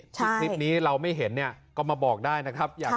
ที่คลิปนี้เราไม่เห็นเนี่ยก็มาบอกได้นะครับ